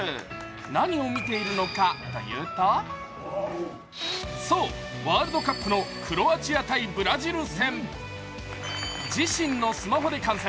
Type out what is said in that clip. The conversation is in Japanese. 何を見ているのかというとそう、ワールドカップのクロアチア×ブラジル戦。自身のスマホで観戦。